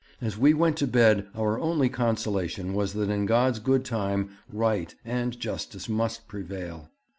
As we went to bed our only consolation was that in God's good time right and justice must prevail.'